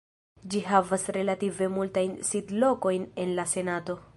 Ĝi havas relative multajn sidlokojn en la senato.